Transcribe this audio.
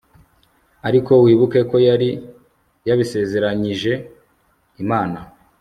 ariko wibuke ko yari yabisezeranyije imana